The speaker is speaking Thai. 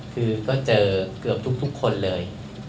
คือก็เจอเกือบทุกคนเลย